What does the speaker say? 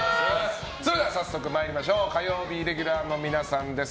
それでは早速参りましょう火曜日レギュラーの皆さんです。